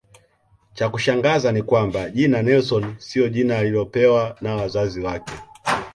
Cha kushangaza ni kwamba jina Nelson siyo jina alilopewa na Wazazi wake